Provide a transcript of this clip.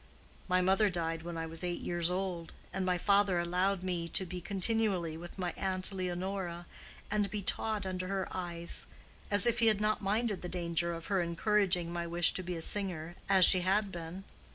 My mother died when I was eight years old, and my father allowed me to be continually with my Aunt Leonora and be taught under her eyes, as if he had not minded the danger of her encouraging my wish to be a singer, as she had been.